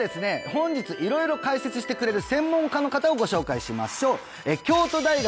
本日色々解説してくれる専門家の方をご紹介しましょう京都大学